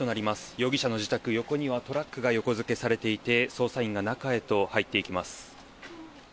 容疑者の自宅、横にはトラックが横付けされていて捜査員が中へと入っていきます。